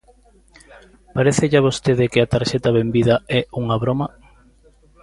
¿Parécelle a vostede que a Tarxeta Benvida é unha broma?